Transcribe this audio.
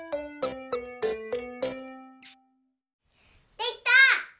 できた！